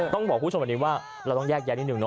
ต้องบอกผู้ชมวันนี้ว่าเราต้องแยกแยะนิดหนึ่ง